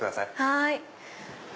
はい。